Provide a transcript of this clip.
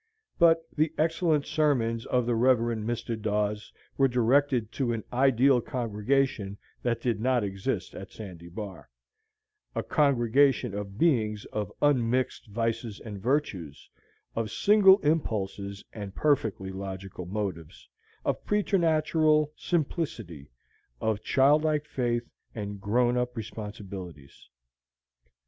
But the excellent sermons of the Rev. Mr. Daws were directed to an ideal congregation that did not exist at Sandy Bar, a congregation of beings of unmixed vices and virtues, of single impulses, and perfectly logical motives, of preternatural simplicity, of childlike faith, and grown up responsibilities.